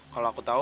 kalau aku tau